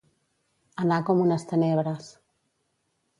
Anar com unes tenebres.